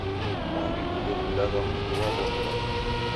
Mwanidu ndekundagha mdu wa w'omi wapo